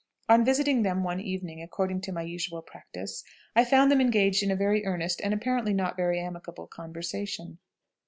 On visiting them one evening according to my usual practice, I found them engaged in a very earnest and apparently not very amicable conversation.